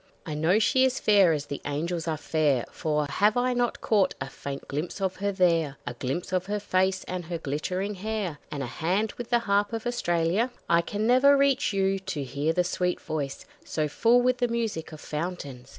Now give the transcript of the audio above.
I know she is fair as the angels are fair, For have I not caught a faint glimpse of her there; A glimpse of her face and her glittering hair, And a hand with the Harp of Australia? I never can reach you, to hear the sweet voice So full with the music of fountains!